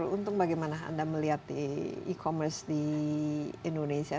untung bagaimana anda melihat e commerce di indonesia